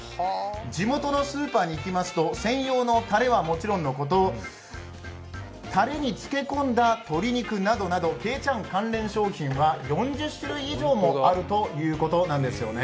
地元のスーパーに行きますと専用のたれはもちろんのことたれに漬け込んだ鶏肉などなど、けいちゃん関連商品は４０種類以上もあるということなんですよね。